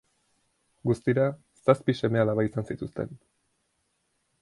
Guztira zazpi seme-alaba izan zituzten.